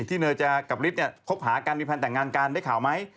เนยจะกับฤทธิ์คบหากันมีแพลนแต่งงานกันได้ข่าวไหม